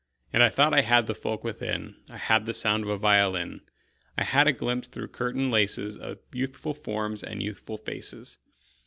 And I thought I had the folk within: I had the sound of a violin; I had a glimpse through curtain laces Of youthful forms and youthful faces.